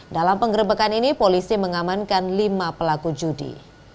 dalam penggerbekan ini polisi mengamankan lima pelaku judi